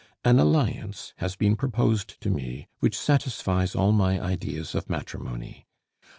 An alliance has been proposed to me which satisfies all my ideas of matrimony.